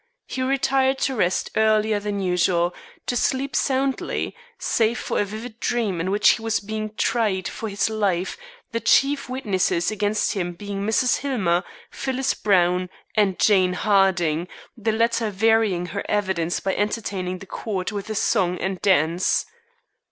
He retired to rest earlier than usual, to sleep soundly, save for a vivid dream in which he was being tried for his life, the chief witnesses against him being Mrs. Hillmer, Phyllis Browne, and Jane Harding, the latter varying her evidence by entertaining the Court with a song and dance.